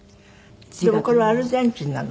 でもこれはアルゼンチンなの？